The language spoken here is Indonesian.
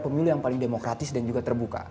pemilu yang paling demokratis dan juga terbuka